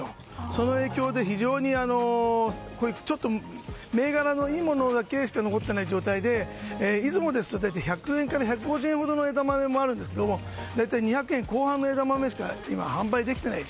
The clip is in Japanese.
その影響でちょっと銘柄のいいものだけしか残っていない状態でいつもですと大体１００円から１５０円ほどの枝豆もあるんですが大体２００円後半の枝豆しか今、販売できていない。